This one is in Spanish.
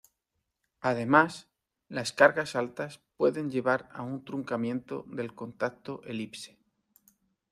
Además, las cargas altas pueden llevar a un truncamiento del contacto elipse.